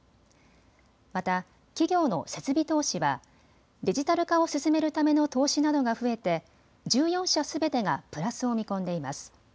また企業の設備投資はデジタル化を進めるための投資などが増えて１４社すべてがプラスを見込んでいます。